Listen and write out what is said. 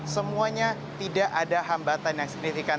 semuanya tidak ada hambatan yang signifikan